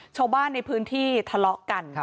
ชาวบ้านในพื้นที่ทะเลาะกัน